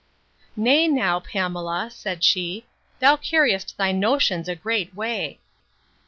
Nay, now, Pamela, said she, thou carriest thy notions a great way.